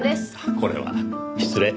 これは失礼。